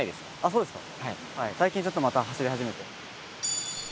そうですか？